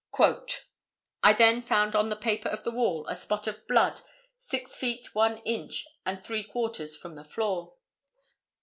"I then found on the paper of the wall a spot of blood six feet, one inch and three quarters from the floor.